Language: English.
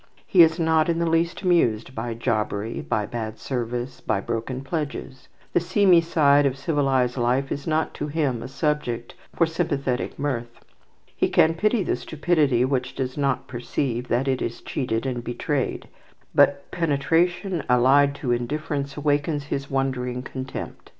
He is not in the least amused by jobbery, by bad service, by broken pledges. The seamy side of civilized life is not to him a subject for sympathetic mirth. He can pity the stupidity which does not perceive that it is cheated and betrayed; but penetration allied to indifference awakens his wondering contempt.